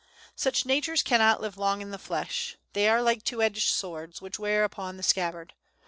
Such natures cannot live long in the flesh. They are like two edged swords, which wear upon the scabbard.